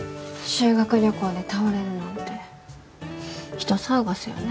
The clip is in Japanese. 修学旅行で倒れるなんて人騒がせよね